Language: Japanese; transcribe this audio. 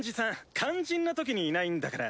肝心な時にいないんだから。